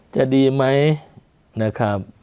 จะดีมั้ยนะครับ